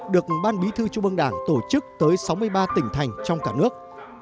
được ban bí thư chủ bương đảng tổ chức tới sáu mươi ba tỉnh thành trong cả nước